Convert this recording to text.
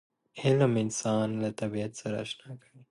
علم انسان له طبیعت سره اشنا کوي.